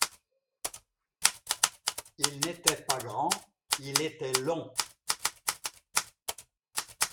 Il n’était pas grand, il était long.